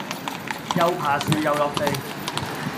又爬樹又落地